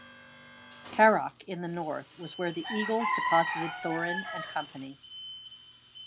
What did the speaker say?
Carrock, in the north was where the Eagles deposited Thorin and Company.